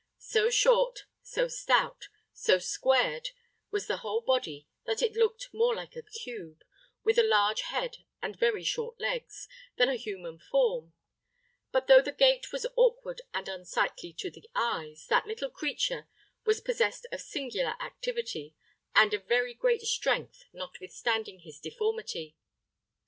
So short, so stout, so squared was the whole body, that it looked more like a cube, with a large head and very short legs, than a human form; but, though the gait was awkward and unsightly to the eyes, that little creature was possessed of singular activity, and of very great strength, notwithstanding his deformity.